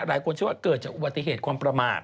เชื่อว่าเกิดจากอุบัติเหตุความประมาท